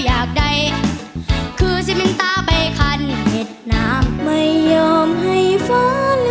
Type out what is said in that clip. อยากมีชีวิตที่ฝ่ายฝัน